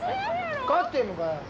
分かってんのかよ。